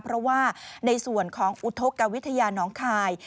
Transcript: เพราะว่าในส่วนของอุทธกวิทยาน้องคาย